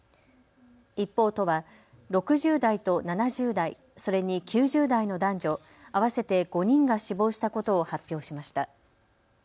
一方、都は６０代と７０代、それに９０代の男女合わせて５人が死亡したことを発表しました。